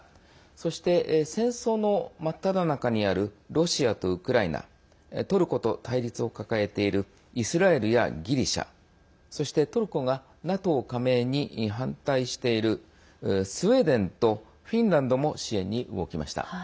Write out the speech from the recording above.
そして、戦闘の真っただ中にあるロシアとウクライナトルコと対立を抱えているイスラエルやギリシャそして、トルコがＮＡＴＯ加盟に反対しているスウェーデンとフィンランドも支援に動きました。